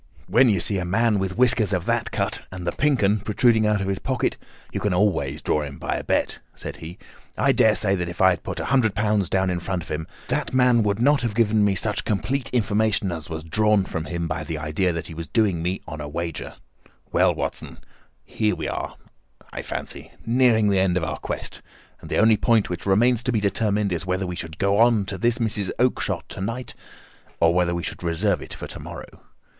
"When you see a man with whiskers of that cut and the 'Pink 'un' protruding out of his pocket, you can always draw him by a bet," said he. "I daresay that if I had put £ 100 down in front of him, that man would not have given me such complete information as was drawn from him by the idea that he was doing me on a wager. Well, Watson, we are, I fancy, nearing the end of our quest, and the only point which remains to be determined is whether we should go on to this Mrs. Oakshott to night, or whether we should reserve it for to morrow.